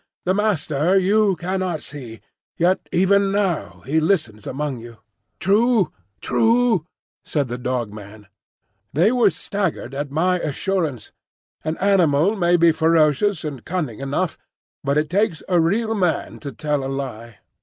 The Master you cannot see; yet even now he listens among you." "True, true!" said the Dog man. They were staggered at my assurance. An animal may be ferocious and cunning enough, but it takes a real man to tell a lie.